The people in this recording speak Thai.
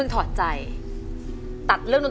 ที่บอกใจยังไง